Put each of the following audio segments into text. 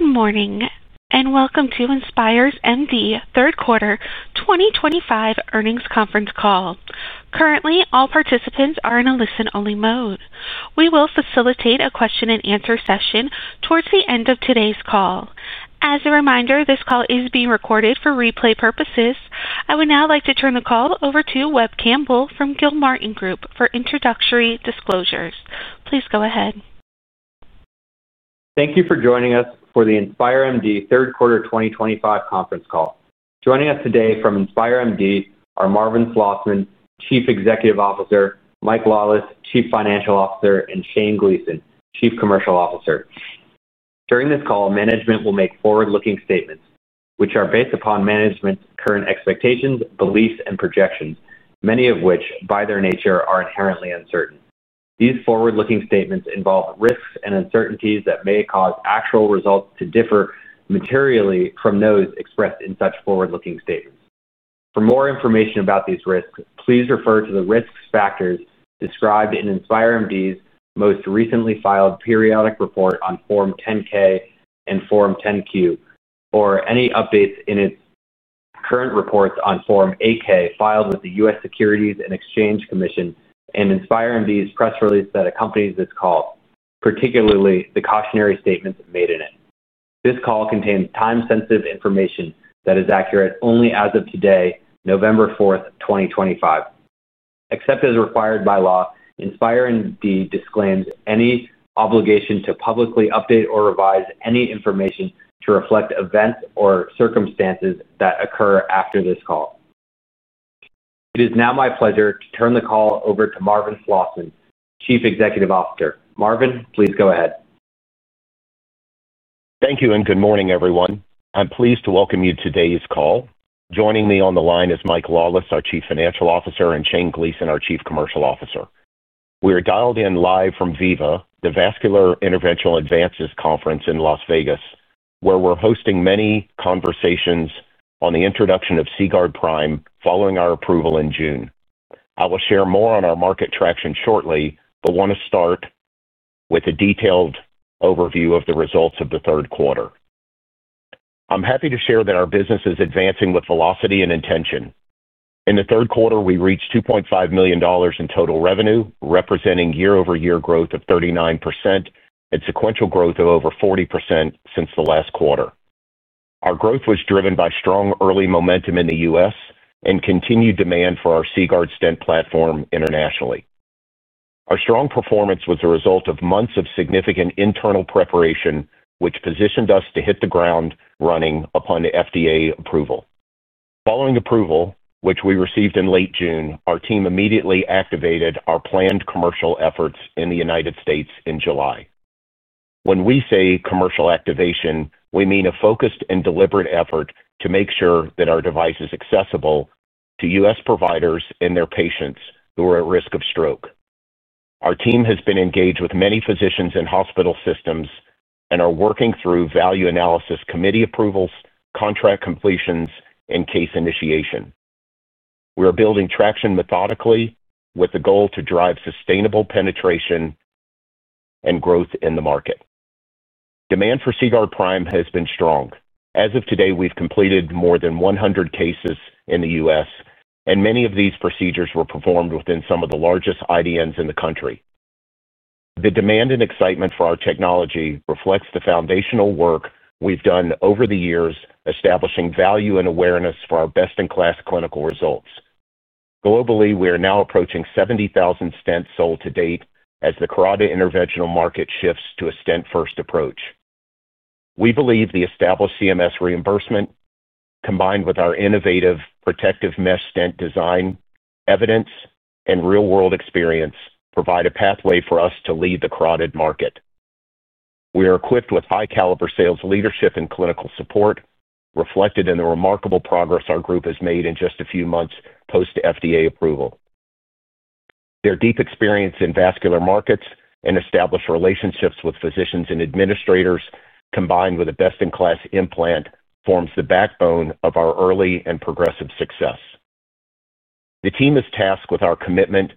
Good morning and welcome to InspireMD Third Quarter 2025 earnings conference call. Currently, all participants are in a listen-only mode. We will facilitate a question-and-answer session towards the end of today's call. As a reminder, this call is being recorded for replay purposes. I would now like to turn the call over to Webb Campbell from Gilmartin Group for introductory disclosures. Please go ahead. Thank you for joining us for the InspireMD Third Quarter 2025 conference call. Joining us today from InspireMD are Marvin Slosman, Chief Executive Officer; Mike Lawless, Chief Financial Officer; and Shane Gleason, Chief Commercial Officer. During this call, management will make forward-looking statements, which are based upon management's current expectations, beliefs, and projections, many of which, by their nature, are inherently uncertain. These forward-looking statements involve risks and uncertainties that may cause actual results to differ materially from those expressed in such forward-looking statements. For more information about these risks, please refer to the risk factors described in InspireMD's most recently filed periodic report on Form 10-K and Form 10-Q, or any updates in its current reports on Form 8-K filed with the U.S. Securities and Exchange Commission and InspireMD's press release that accompanies this call, particularly the cautionary statements made in it. This call contains time-sensitive information that is accurate only as of today, November 4th, 2025. Except as required by law, InspireMD disclaims any obligation to publicly update or revise any information to reflect events or circumstances that occur after this call. It is now my pleasure to turn the call over to Marvin Slosman, Chief Executive Officer. Marvin, please go ahead. Thank you and good morning, everyone. I'm pleased to welcome you to today's call. Joining me on the line is Mike Lawless, our Chief Financial Officer, and Shane Gleason, our Chief Commercial Officer. We are dialed in live from VIVA, the Vascular Interventional Advances Conference in Las Vegas, where we're hosting many conversations on the introduction of CGuard Prime following our approval in June. I will share more on our market traction shortly, but want to start with a detailed overview of the results of the third quarter. I'm happy to share that our business is advancing with velocity and intention. In the third quarter, we reached $2.5 million in total revenue, representing year-over-year growth of 39% and sequential growth of over 40% since the last quarter. Our growth was driven by strong early momentum in the U.S. and continued demand for our CGuard stent platform internationally. Our strong performance was the result of months of significant internal preparation, which positioned us to hit the ground running upon the FDA approval. Following approval, which we received in late June, our team immediately activated our planned commercial efforts in the United States in July. When we say commercial activation, we mean a focused and deliberate effort to make sure that our device is accessible to U.S. providers and their patients who are at risk of stroke. Our team has been engaged with many physicians and hospital systems and are working through value analysis committee approvals, contract completions, and case initiation. We are building traction methodically with the goal to drive sustainable penetration and growth in the market. Demand for CGuard Prime has been strong. As of today, we've completed more than 100 cases in the U.S., and many of these procedures were performed within some of the largest IDNs in the country. The demand and excitement for our technology reflects the foundational work we've done over the years establishing value and awareness for our best-in-class clinical results. Globally, we are now approaching 70,000 stents sold to date as the carotid interventional market shifts to a stent-first approach. We believe the established CMS reimbursement, combined with our innovative protective mesh stent design, evidence, and real-world experience, provide a pathway for us to lead the carotid market. We are equipped with high-caliber sales leadership and clinical support, reflected in the remarkable progress our group has made in just a few months post-FDA approval. Their deep experience in vascular markets and established relationships with physicians and administrators, combined with a best-in-class implant, forms the backbone of our early and progressive success. The team is tasked with our commitment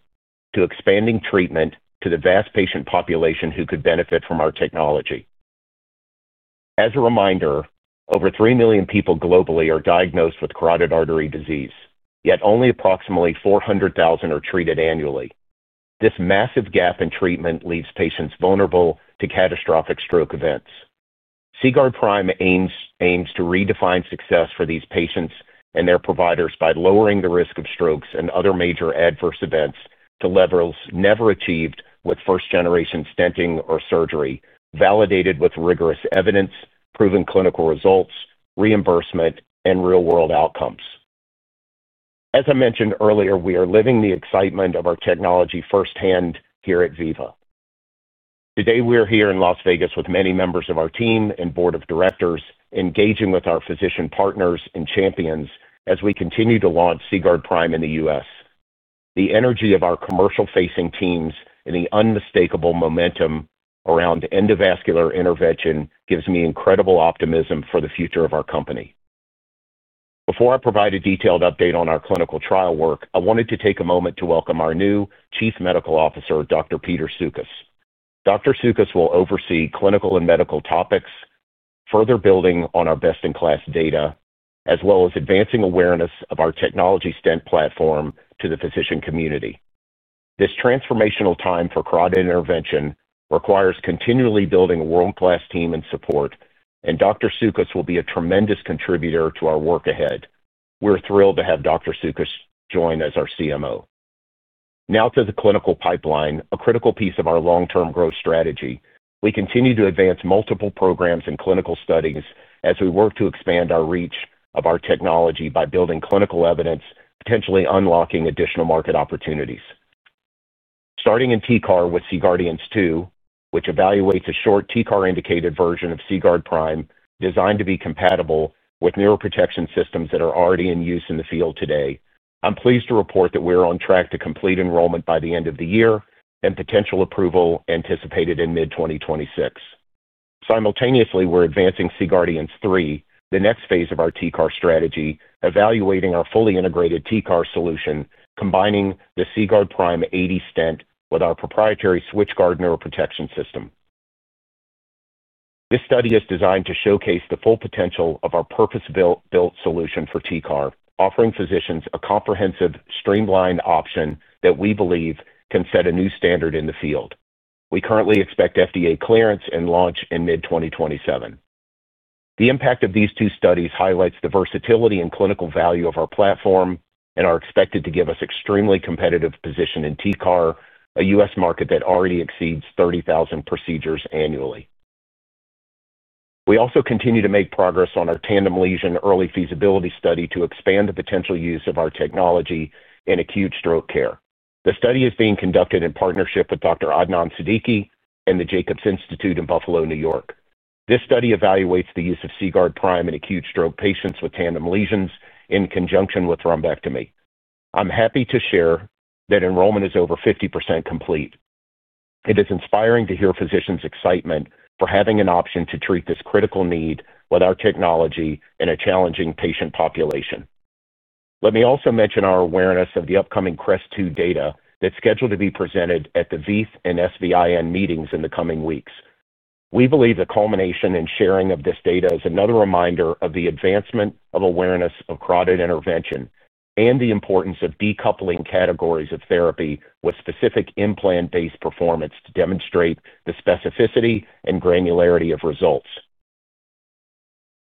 to expanding treatment to the vast patient population who could benefit from our technology. As a reminder, over 3 million people globally are diagnosed with carotid artery disease, yet only approximately 400,000 are treated annually. This massive gap in treatment leaves patients vulnerable to catastrophic stroke events. CGuard Prime aims to redefine success for these patients and their providers by lowering the risk of strokes and other major adverse events to levels never achieved with first-generation stenting or surgery, validated with rigorous evidence, proven clinical results, reimbursement, and real-world outcomes. As I mentioned earlier, we are living the excitement of our technology firsthand here at VIVA. Today, we are here in Las Vegas with many members of our team and Board of Directors engaging with our physician partners and champions as we continue to launch CGuard Prime in the U.S. The energy of our commercial-facing teams and the unmistakable momentum around endovascular intervention gives me incredible optimism for the future of our company. Before I provide a detailed update on our clinical trial work, I wanted to take a moment to welcome our new Chief Medical Officer, Dr. Peter Soukas. Dr. Soukas will oversee clinical and medical topics, further building on our best-in-class data, as well as advancing awareness of our technology stent platform to the physician community. This transformational time for carotid intervention requires continually building a world-class team and support, and Dr. Soukas will be a tremendous contributor to our work ahead. We're thrilled to have Dr. Soukas join as our CMO. Now to the clinical pipeline, a critical piece of our long-term growth strategy. We continue to advance multiple programs and clinical studies as we work to expand our reach of our technology by building clinical evidence, potentially unlocking additional market opportunities. Starting in TCAR with CGUARDIANS II, which evaluates a short TCAR-indicated version of CGuard Prime designed to be compatible with neuroprotection systems that are already in use in the field today, I'm pleased to report that we are on track to complete enrollment by the end of the year and potential approval anticipated in mid-2026. Simultaneously, we're advancing CGUARDIANS III, the next phase of our TCAR strategy, evaluating our fully integrated TCAR solution combining the CGuard Prime 80 stent with our proprietary SwitchGuard neuroprotection system. This study is designed to showcase the full potential of our purpose-built solution for TCAR, offering physicians a comprehensive, streamlined option that we believe can set a new standard in the field. We currently expect FDA clearance and launch in mid-2027. The impact of these two studies highlights the versatility and clinical value of our platform and are expected to give us an extremely competitive position in TCAR, a U.S. market that already exceeds 30,000 procedures annually. We also continue to make progress on our tandem lesion early feasibility study to expand the potential use of our technology in acute stroke care. The study is being conducted in partnership with Dr. Adnan Siddiqui and the Jacobs Institute in Buffalo, New York. This study evaluates the use of CGuard Prime in acute stroke patients with tandem lesions in conjunction with thrombectomy. I'm happy to share that enrollment is over 50% complete. It is inspiring to hear physicians' excitement for having an option to treat this critical need with our technology in a challenging patient population. Let me also mention our awareness of the upcoming CREST-2 data that is scheduled to be presented at the VIIF and SVIN meetings in the coming weeks. We believe the culmination and sharing of this data is another reminder of the advancement of awareness of carotid intervention and the importance of decoupling categories of therapy with specific implant-based performance to demonstrate the specificity and granularity of results.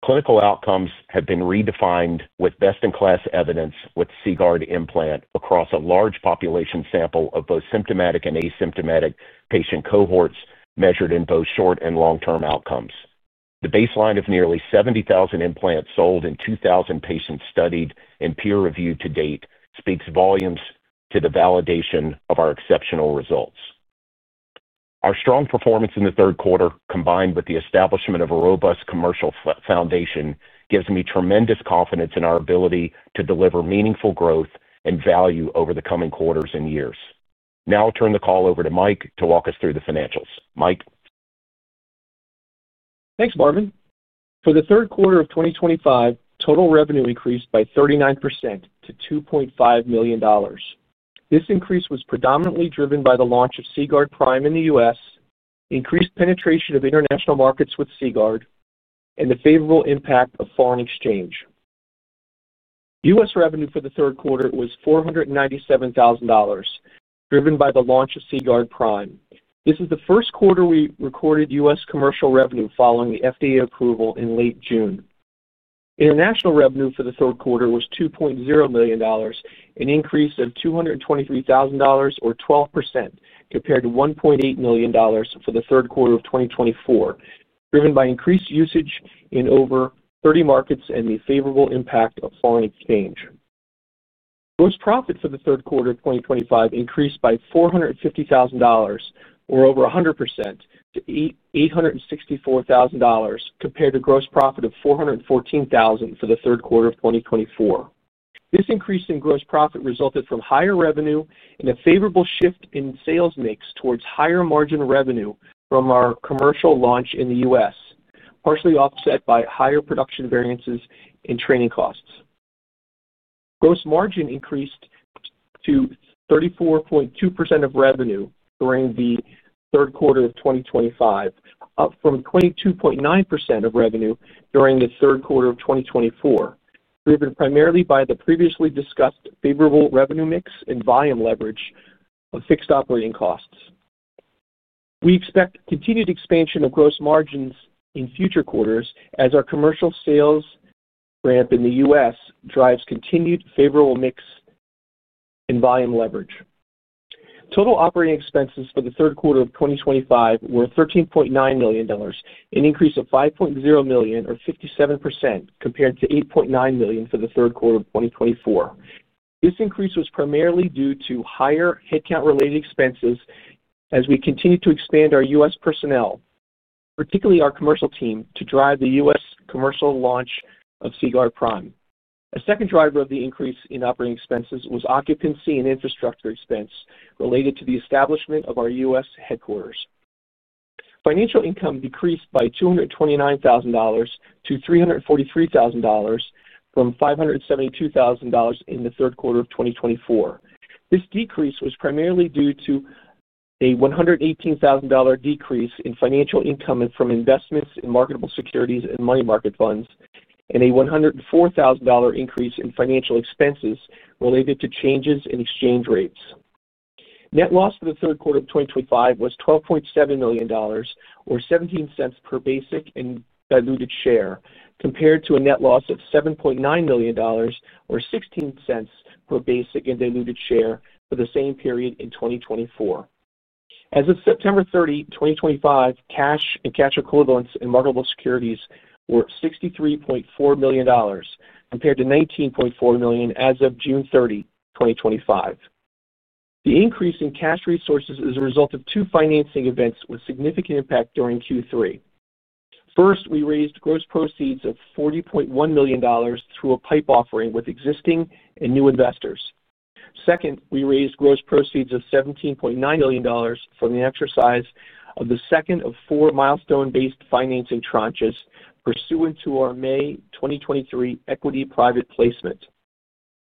Our clinical outcomes have been redefined with best-in-class evidence with CGuard implant across a large population sample of both symptomatic and asymptomatic patient cohorts measured in both short and long-term outcomes. The baseline of nearly 70,000 implants sold in 2,000 patients studied and peer-reviewed to date speaks volumes to the validation of our exceptional results. Our strong performance in the third quarter, combined with the establishment of a robust commercial foundation, gives me tremendous confidence in our ability to deliver meaningful growth and value over the coming quarters and years. Now I'll turn the call over to Mike to walk us through the financials. Mike. Thanks, Marvin. For the third quarter of 2025, total revenue increased by 39% to $2.5 million. This increase was predominantly driven by the launch of CGuard Prime in the U.S., increased penetration of international markets with CGuard, and the favorable impact of foreign exchange. U.S. revenue for the third quarter was $497,000, driven by the launch of CGuard Prime. This is the first quarter we recorded U.S. commercial revenue following the FDA approval in late June. International revenue for the third quarter was $2.0 million, an increase of $223,000 or 12% compared to $1.8 million for the third quarter of 2024, driven by increased usage in over 30 markets and the favorable impact of foreign exchange. Gross profit for the third quarter of 2025 increased by $450,000 or over 100% to $864,000 compared to gross profit of $414,000 for the third quarter of 2024. This increase in gross profit resulted from higher revenue and a favorable shift in sales mix towards higher margin revenue from our commercial launch in the U.S., partially offset by higher production variances and training costs. Gross margin increased to 34.2% of revenue during the third quarter of 2025, up from 22.9% of revenue during the third quarter of 2024, driven primarily by the previously discussed favorable revenue mix and volume leverage of fixed operating costs. We expect continued expansion of gross margins in future quarters as our commercial sales ramp in the U.S. drives continued favorable mix and volume leverage. Total operating expenses for the third quarter of 2025 were $13.9 million, an increase of $5.0 million or 57% compared to $8.9 million for the third quarter of 2024. This increase was primarily due to higher headcount-related expenses as we continue to expand our U.S. personnel, particularly our commercial team, to drive the U.S. commercial launch of CGuard Prime. A second driver of the increase in operating expenses was occupancy and infrastructure expense related to the establishment of our U.S. headquarters. Financial income decreased by $229,000 to $343,000 from $572,000 in the third quarter of 2024. This decrease was primarily due to a $118,000 decrease in financial income from investments in marketable securities and money market funds and a $104,000 increase in financial expenses related to changes in exchange rates. Net loss for the third quarter of 2025 was $12.7 million, or $0.17 per basic and diluted share, compared to a net loss of $7.9 million or $0.16 per basic and diluted share for the same period in 2024. As of September 30, 2025, cash and cash equivalents in marketable securities were $63.4 million, compared to $19.4 million as of June 30, 2025. The increase in cash resources is a result of two financing events with significant impact during Q3. First, we raised gross proceeds of $40.1 million through a PIPE offering with existing and new investors. Second, we raised gross proceeds of $17.9 million from the exercise of the second of four milestone-based financing tranches pursuant to our May 2023 equity private placement.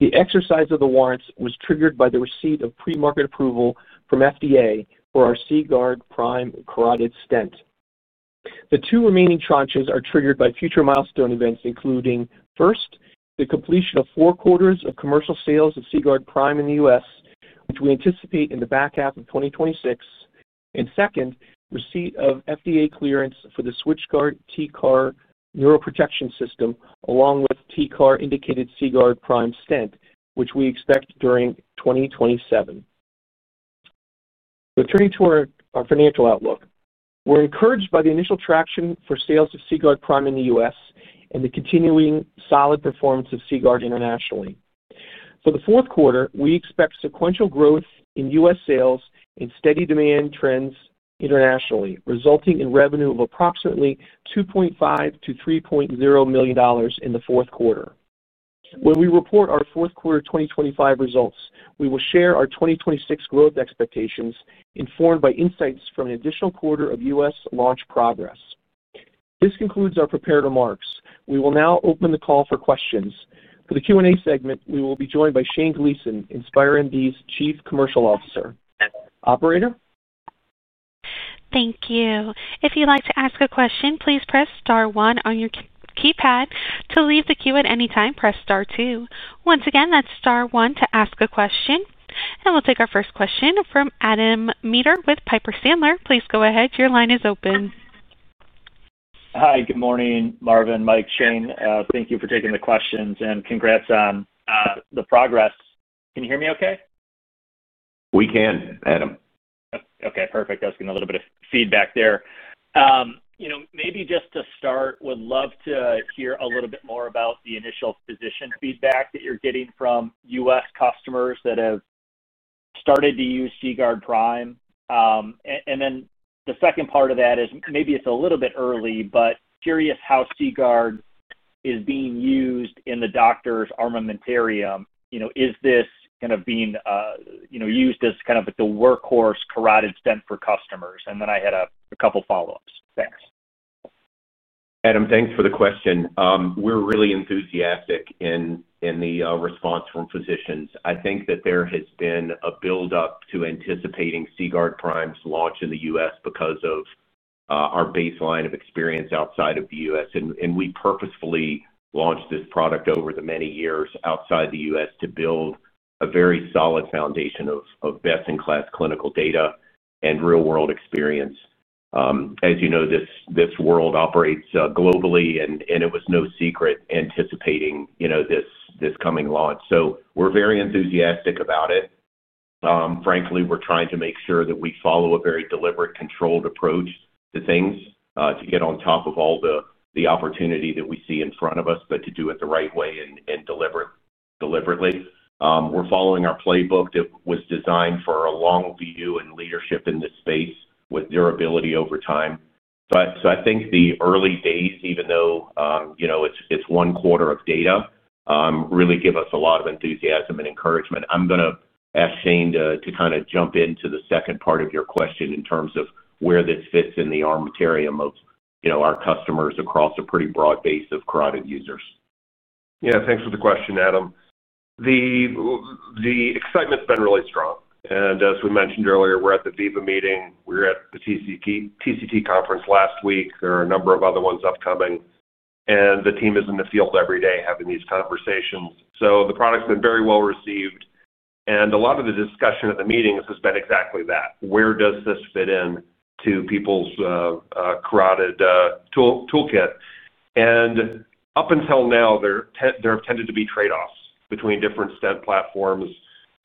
The exercise of the warrants was triggered by the receipt of pre-market approval from the FDA for our CGuard Prime carotid stent. The two remaining tranches are triggered by future milestone events, including first, the completion of four quarters of commercial sales of CGuard Prime in the U.S., which we anticipate in the back half of 2026, and second, receipt of FDA clearance for the SwitchGuard TCAR neuroprotection system, along with TCAR-indicated CGuard Prime stent, which we expect during 2027. Returning to our financial outlook, we're encouraged by the initial traction for sales of CGuard Prime in the U.S. and the continuing solid performance of CGuard internationally. For the fourth quarter, we expect sequential growth in U.S. sales and steady demand trends internationally, resulting in revenue of approximately $2.5-$3.0 million in the fourth quarter. When we report our fourth quarter 2025 results, we will share our 2026 growth expectations informed by insights from an additional quarter of U.S. launch progress. This concludes our prepared remarks. We will now open the call for questions. For the Q&A segment, we will be joined by Shane Gleason, InspireMD's Chief Commercial Officer. Operator. Thank you. If you'd like to ask a question, please press star one on your keypad. To leave the queue at any time, press star two. Once again, that's Star 1 to ask a question. We'll take our first question from Adam Maeder with Piper Sandler. Please go ahead. Your line is open. Hi. Good morning, Marvin, Mike, Shane. Thank you for taking the questions, and congrats on the progress. Can you hear me okay? We can, Adam. Okay. Perfect. I was getting a little bit of feedback there. Maybe just to start, would love to hear a little bit more about the initial physician feedback that you're getting from U.S. customers that have started to use CGuard Prime. The second part of that is maybe it's a little bit early, but curious how CGuard is being used in the doctor's armamentarium. Is this kind of being used as kind of like the workhorse carotid stent for customers? I had a couple of follow-ups. Thanks. Adam, thanks for the question. We're really enthusiastic in the response from physicians. I think that there has been a buildup to anticipating CGuard Prime's launch in the U.S. because of our baseline of experience outside of the U.S. And we purposefully launched this product over the many years outside the U.S. to build a very solid foundation of best-in-class clinical data and real-world experience. As you know, this world operates globally, and it was no secret anticipating this coming launch. We are very enthusiastic about it. Frankly, we're trying to make sure that we follow a very deliberate, controlled approach to things to get on top of all the opportunity that we see in front of us, but to do it the right way and deliberately. We're following our playbook that was designed for a long view and leadership in this space with durability over time. I think the early days, even though it's one quarter of data, really give us a lot of enthusiasm and encouragement. I'm going to ask Shane to kind of jump into the second part of your question in terms of where this fits in the armamentarium of our customers across a pretty broad base of carotid users. Yeah. Thanks for the question, Adam. The excitement's been really strong. As we mentioned earlier, we're at the VIVA meeting. We were at the TCT conference last week. There are a number of other ones upcoming. The team is in the field every day having these conversations. The product's been very well received. A lot of the discussion at the meetings has been exactly that. Where does this fit into people's carotid toolkit? Up until now, there have tended to be trade-offs between different stent platforms.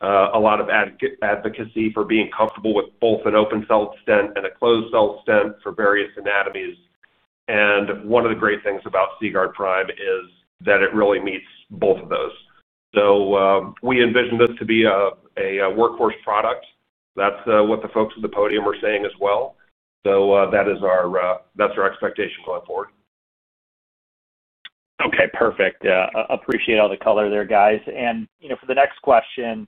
A lot of advocacy for being comfortable with both an open-cell stent and a closed-cell stent for various anatomies. One of the great things about CGuard Prime is that it really meets both of those. We envision this to be a workhorse product. That's what the folks at the podium are saying as well. That's our expectation going forward. Okay. Perfect. Appreciate all the color there, guys. For the next question,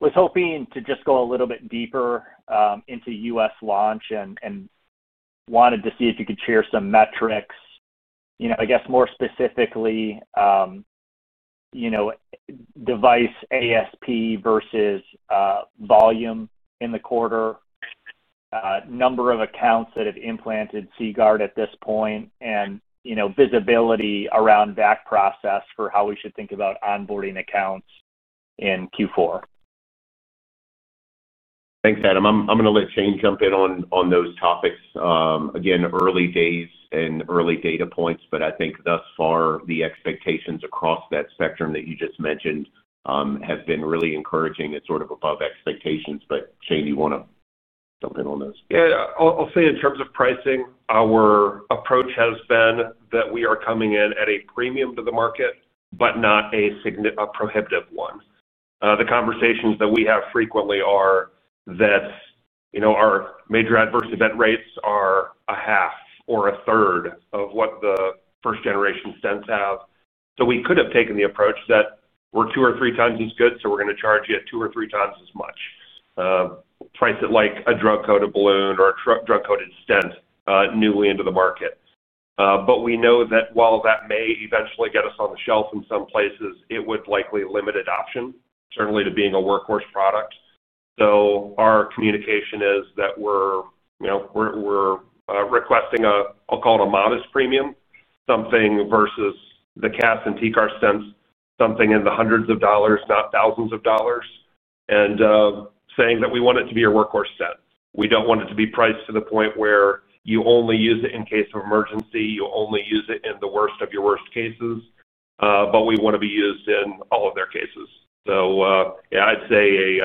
I was hoping to just go a little bit deeper into the U.S. launch and wanted to see if you could share some metrics. I guess more specifically, device ASP versus volume in the quarter, number of accounts that have implanted CGuard at this point, and visibility around that process for how we should think about onboarding accounts in Q4. Thanks, Adam. I'm going to let Shane jump in on those topics. Again, early days and early data points, but I think thus far, the expectations across that spectrum that you just mentioned have been really encouraging and sort of above expectations. Shane, do you want to jump in on those? Yeah. I'll say in terms of pricing, our approach has been that we are coming in at a premium to the market, but not a prohibitive one. The conversations that we have frequently are that our major adverse event rates are a 1/2 or a 1/3 of what the first-generation stents have. We could have taken the approach that we're 2x or 3x as good, so we're going to charge you 2x or 3x as much. Price it like a drug-coated balloon or a drug-coated stent newly into the market. We know that while that may eventually get us on the shelf in some places, it would likely limit adoption, certainly to being a workhorse product. Our communication is that we're requesting a, I'll call it a modest premium, something versus the CAS and TCAR stents, something in the hundreds of dollars, not thousands of dollars, and saying that we want it to be a workhorse stent. We don't want it to be priced to the point where you only use it in case of emergency, you only use it in the worst of your worst cases, but we want to be used in all of their cases. Yeah, I'd say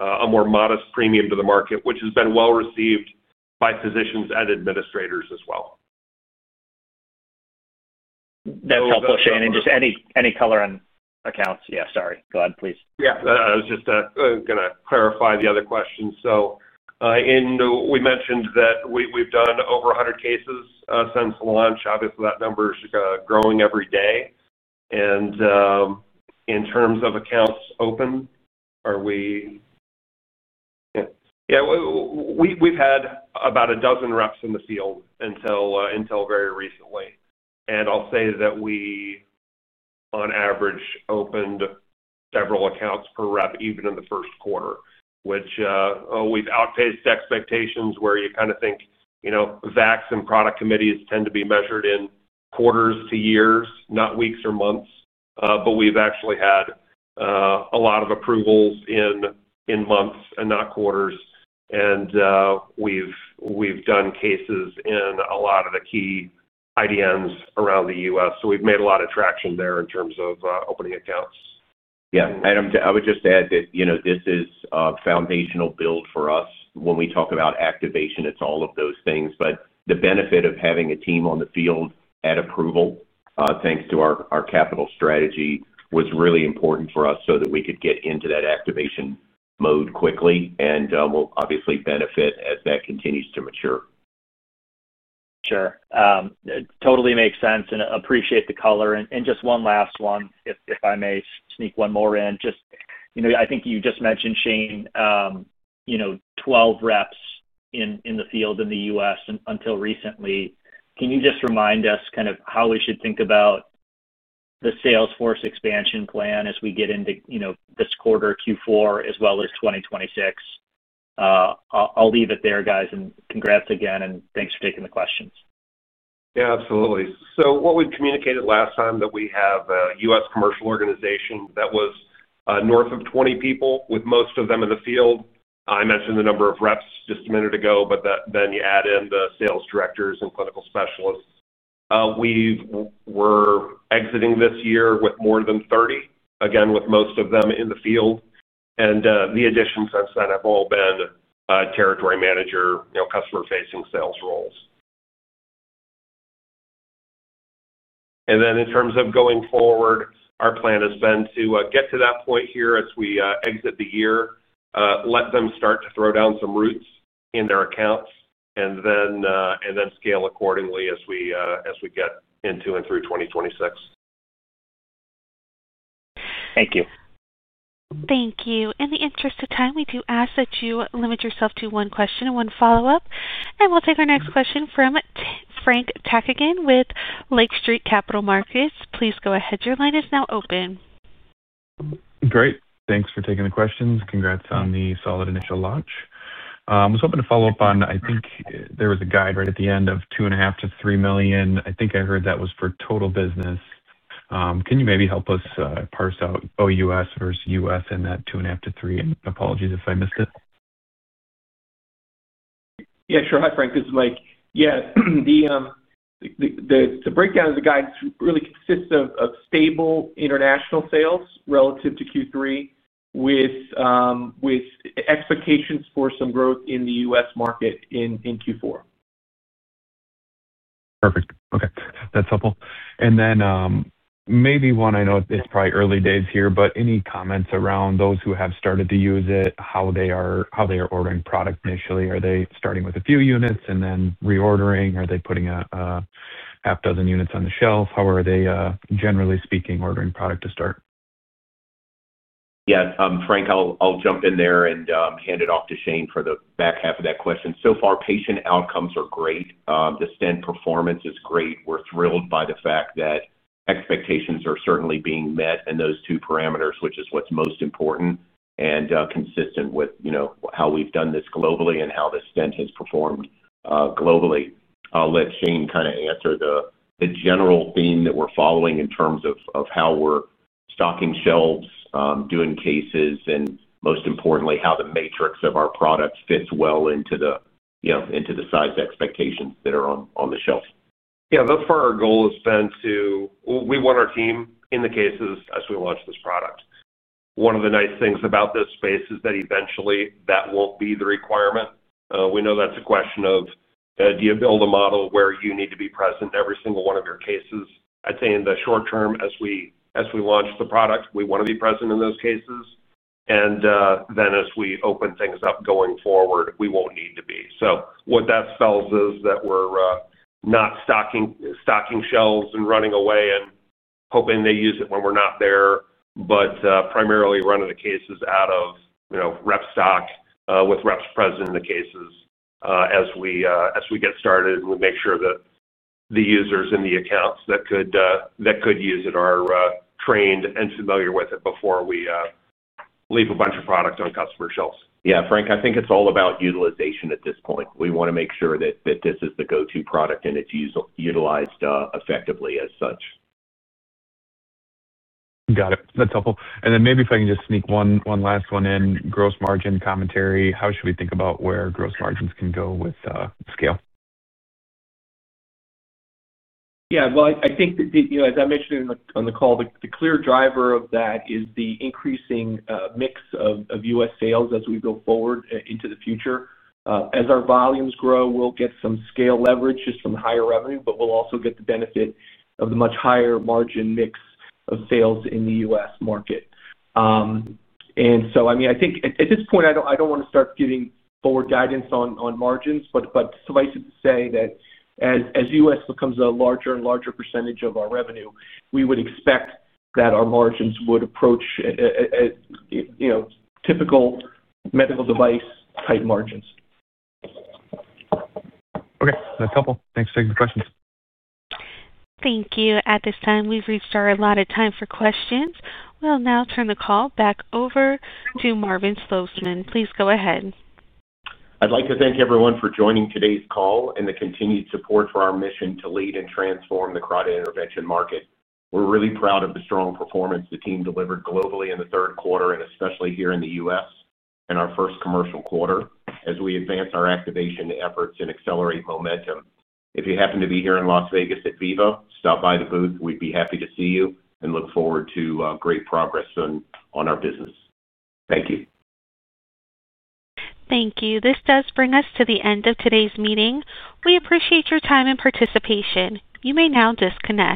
a more modest premium to the market, which has been well received by physicians and administrators as well. That's helpful, Shane. Just any color on accounts? Yeah. Sorry. Go ahead, please. Yeah. I was just going to clarify the other question. We mentioned that we've done over 100 cases since launch. Obviously, that number is growing every day. In terms of accounts open, are we—yeah. We've had about a dozen reps in the field until very recently. I'll say that we, on average, opened several accounts per rep even in the first quarter, which—we've outpaced expectations where you kind of think value analysis committees and product committees tend to be measured in quarters to years, not weeks or months. We've actually had a lot of approvals in months and not quarters. We've done cases in a lot of the key IDNs around the U.S. We have made a lot of traction there in terms of opening accounts. Yeah. Adam, I would just add that this is a foundational build for us. When we talk about activation, it's all of those things. The benefit of having a team on the field at approval, thanks to our capital strategy, was really important for us so that we could get into that activation mode quickly and will obviously benefit as that continues to mature. Sure. Totally makes sense and appreciate the color. Just one last one, if I may sneak one more in. I think you just mentioned, Shane, twelve reps in the field in the U.S. until recently. Can you just remind us kind of how we should think about the Salesforce expansion plan as we get into this quarter, Q4, as well as 2026? I'll leave it there, guys. Congrats again, and thanks for taking the questions. Yeah. Absolutely. What we communicated last time is that we have a U.S. commercial organization that was north of 20 people, with most of them in the field. I mentioned the number of reps just a minute ago, but then you add in the sales directors and clinical specialists. We were exiting this year with more than 30, again, with most of them in the field. The additions since then have all been territory manager, customer-facing sales roles. In terms of going forward, our plan has been to get to that point here as we exit the year, let them start to throw down some roots in their accounts, and then scale accordingly as we get into and through 2026. Thank you. Thank you. In the interest of time, we do ask that you limit yourself to one question and one follow-up. We will take our next question from Frank Takkinen with Lake Street Capital Markets. Please go ahead. Your line is now open. Great. Thanks for taking the questions. Congrats on the solid initial launch. I was hoping to follow up on, I think there was a guide right at the end of $2.5 million-$3 million. I think I heard that was for total business. Can you maybe help us parse out OUS versus U.S. in that $2.5 million-$3 million? Apologies if I missed it. Yeah. Sure. Hi, Frank. This is Mike. Yeah. The breakdown of the guide really consists of stable international sales relative to Q3 with expectations for some growth in the U.S. market in Q4. Perfect. Okay. That's helpful. Maybe one, I know it's probably early days here, but any comments around those who have started to use it, how they are ordering product initially? Are they starting with a few units and then reordering? Are they putting a half dozen units on the shelf? How are they generally speaking ordering product to start? Yeah. Frank, I'll jump in there and hand it off to Shane for the back half of that question. So far, patient outcomes are great. The stent performance is great. We're thrilled by the fact that expectations are certainly being met in those two parameters, which is what's most important and consistent with how we've done this globally and how the stent has performed globally. I'll let Shane kind of answer the general theme that we're following in terms of how we're stocking shelves, doing cases, and most importantly, how the matrix of our product fits well into the size expectations that are on the shelf. Yeah. Thus far, our goal has been to. We want our team in the cases as we launch this product. One of the nice things about this space is that eventually, that will not be the requirement. We know that is a question of. Do you build a model where you need to be present in every single one of your cases? I'd say in the short term, as we launch the product, we want to be present in those cases. As we open things up going forward, we will not need to be. What that spells is that we are not stocking shelves and running away and hoping they use it when we are not there, but primarily running the cases out of rep stock with reps present in the cases as we get started and we make sure that the users in the accounts that could use it are trained and familiar with it before we leave a bunch of product on customer shelves. Yeah. Frank, I think it's all about utilization at this point. We want to make sure that this is the go-to product and it's utilized effectively as such. Got it. That's helpful. Maybe if I can just sneak one last one in, gross margin commentary. How should we think about where gross margins can go with scale? Yeah. I think, as I mentioned on the call, the clear driver of that is the increasing mix of U.S. sales as we go forward into the future. As our volumes grow, we'll get some scale leverage, just some higher revenue, but we'll also get the benefit of the much higher margin mix of sales in the U.S. market. I mean, I think at this point, I don't want to start giving forward guidance on margins, but suffice it to say that as U.S. becomes a larger and larger percentage of our revenue, we would expect that our margins would approach typical medical device-type margins. Okay. That's helpful. Thanks for taking the questions. Thank you. At this time, we've reached our allotted time for questions. We'll now turn the call back over to Marvin Slosman. Please go ahead. I'd like to thank everyone for joining today's call and the continued support for our mission to lead and transform the carotid intervention market. We're really proud of the strong performance the team delivered globally in the third quarter, and especially here in the U.S. in our first commercial quarter as we advance our activation efforts and accelerate momentum. If you happen to be here in Las Vegas at VIVA, stop by the booth. We'd be happy to see you and look forward to great progress on our business. Thank you. Thank you. This does bring us to the end of today's meeting. We appreciate your time and participation. You may now disconnect.